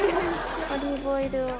オリーブオイルを。